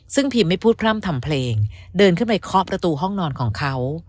ซึ่งพิมไม่พูดพร่ำทำเพลงเดินขึ้นไปเคาะประตูห้องนอนของเขา